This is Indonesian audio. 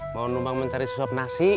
mau numbang mencari sesuap nasi